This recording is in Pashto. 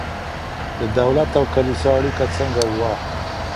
د دولت او کلیسا اړیکه څنګه وه؟